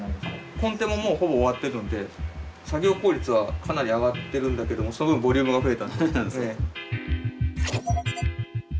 コンテももうほぼ終わってるので作業効率はかなり上がってるんだけどもその分ボリュームが増えた。